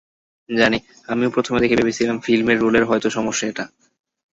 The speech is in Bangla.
জানি, আমিও প্রথমে দেখে ভেবেছিলাম ফিল্মের রোলের হয়তো সমস্যা এটা।